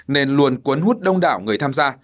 nên luôn cuốn hút đông đảo người tham gia